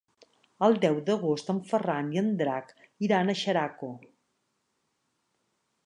El deu d'agost en Ferran i en Drac iran a Xeraco.